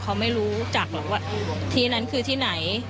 เขาไม่รู้จักหรอกว่าที่นั้นคือที่ไหน